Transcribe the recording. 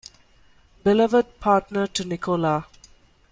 Beloved partner to Nicola.